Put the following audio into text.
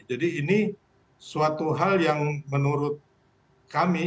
jadi ini suatu hal yang menurut kami